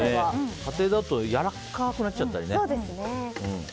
家庭だとやわらかくなっちゃったりね。